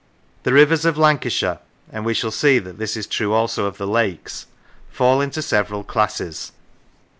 The rivers of Lancashire, and we shall see that this is true also of the lakes, fall into several classes.